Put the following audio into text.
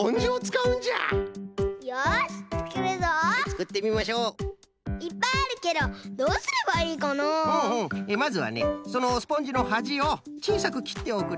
うんうんまずはねそのスポンジのはじをちいさくきっておくれ。